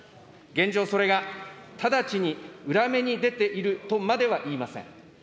現状、それが直ちに裏目に出ているとまでは言いません。